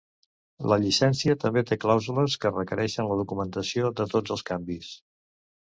La llicència també té clàusules que requereixen la documentació de tots els canvis.